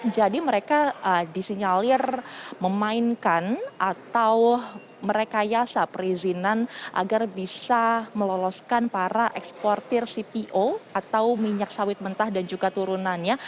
jadi mereka disinyalir memainkan atau mereka yasa perizinan agar bisa meloloskan para eksportir cpo atau minyak sawit mentah dan juga turunannya